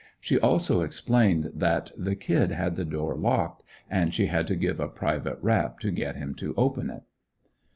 She also explained that: The "Kid" had the door locked and she had to give a private rap to get him to open it.